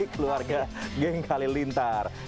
keluarga geng kalilintar